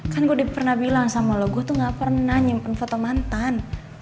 kan gue pernah bilang sama lo gue tuh gak pernah nyimpen foto mantan